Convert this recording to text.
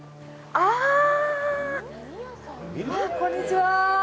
こんにちは。